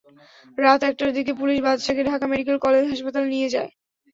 রাত একটার দিকে পুলিশ বাদশাকে ঢাকা মেডিকেল কলেজ হাসপাতালে নিয়ে যায়।